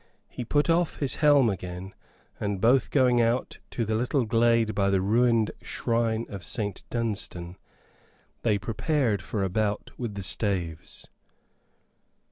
He put off his helm again, and both going out to the little glade by the ruined shrine of St. Dunstan, they prepared for a bout with the staves.